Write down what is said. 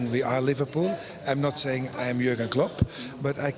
seperti mana liverpool telah mengubah tim mereka dalam empat tahun